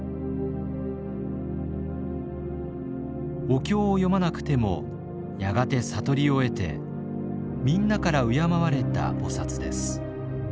お経を読まなくてもやがて悟りを得てみんなから敬われた菩薩です。